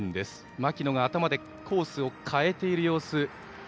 槙野が頭でコースを変えている様子。